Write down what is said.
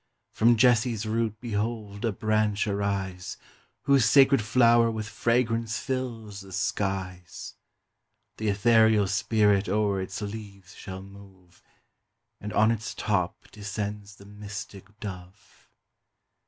From Jesse's root behold a branch arise, Whose sacred flower with fragrance fills the skies: Th' ethereal spirit o'er its leaves shall move, And on its top descends the mystic Dove.